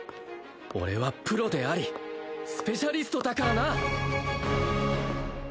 俺はプロでありスペシャリストだからな！